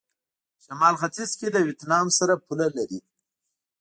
شمال ختيځ کې له ویتنام سره پوله لري.